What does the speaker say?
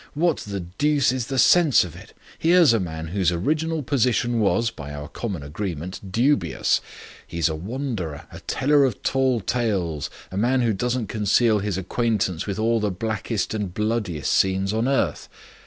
"What the deuce is the sense of it? Here's a man whose original position was, by our common agreement, dubious. He's a wanderer, a teller of tall tales, a man who doesn't conceal his acquaintance with all the blackest and bloodiest scenes on earth.